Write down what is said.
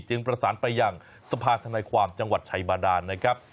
ประสานไปยังสภาธนาความจังหวัดชัยบาดานนะครับ